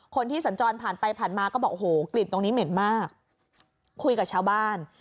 สัญจรผ่านไปผ่านมาก็บอกโอ้โหกลิ่นตรงนี้เหม็นมากคุยกับชาวบ้าน